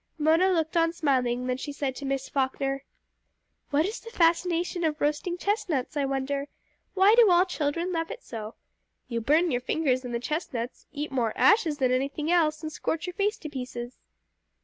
Mona looked on smiling; then she said to Miss Falkner "What is the fascination of roasting chestnuts, I wonder. Why do all children love it so? You burn your fingers and the chestnuts, eat more ashes than anything else, and scorch your face to pieces!"